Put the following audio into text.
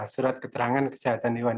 surat keterangan kesehatan hewan